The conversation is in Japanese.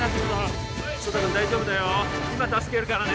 今助けるからね